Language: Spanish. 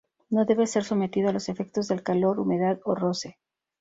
No debe ser sometido a los efectos del calor, humedad o roce.